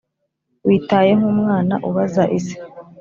witaye nkumwana ubaza isi,